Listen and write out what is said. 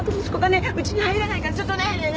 うちに入れないからちょっとねえねえね